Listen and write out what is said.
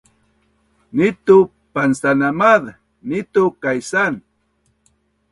nitu pansanamaaz, nitu kaisaan